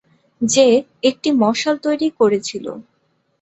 যে একটি মশাল তৈরী করেছিল।